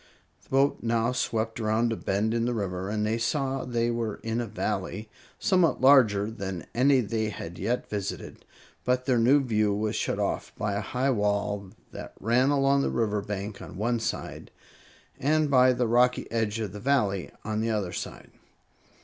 The boat now swept around a bend in the river, and they saw they were in a Valley somewhat larger than any they had yet visited; but their view was shut off by a high wall that ran along the river bank on one side, and by the rocky edge of the Valley on the other side.